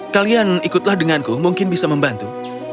kalian ikutlah denganku mungkin bisa membantu